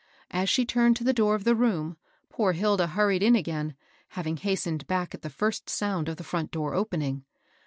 As she turned to the door of the room, poor Hilda hurried in again, having hastened back at the first sound of the front door opening.